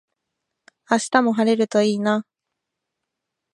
明日も晴れるといいな